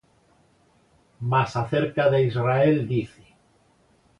Mas acerca de Israel dice: